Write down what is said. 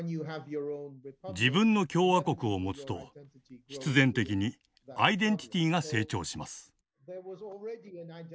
自分の共和国を持つと必然的にアイデンティティが成長します。